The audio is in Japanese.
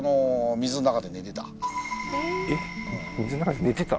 水の中で寝てた？